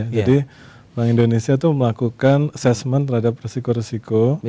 jadi bank indonesia itu melakukan assessment terhadap resiko resiko